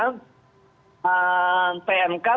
pmk bisa berjalan dengan cepat